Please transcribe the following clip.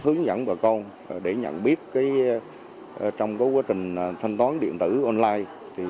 hướng dẫn bà con để nhận biết trong quá trình thanh toán điện tử online